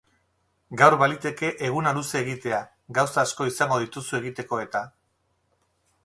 Gaur baliteke eguna luze egitea, gauza asko izango dituzu egiteko eta.